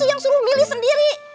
yang selalu memilih sendiri